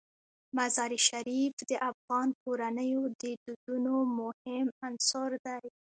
مزارشریف د افغان کورنیو د دودونو مهم عنصر دی.